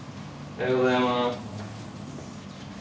おはようございます。